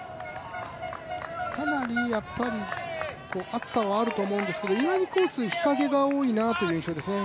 かなり暑さはあると思うんですけども意外にコース、日陰が多い印象ですね。